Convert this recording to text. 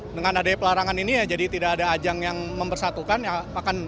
dengan adanya pelarangan ini ya jadi tidak ada ajang yang mempersatukan ya